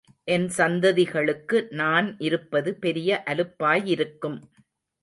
என் சந்ததி களுக்கு நான் இருப்பது பெரிய அலுப்பாயிருக்கும்.